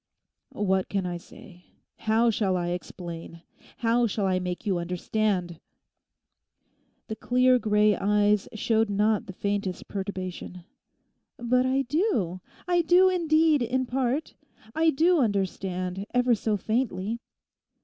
'What can I say? How shall I explain? How shall I make you understand?' The clear grey eyes showed not the faintest perturbation. 'But I do; I do indeed, in part; I do understand, ever so faintly.